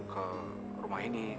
ke rumah ini